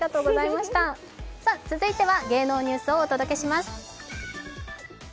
続いては芸能ニュースをお届けします。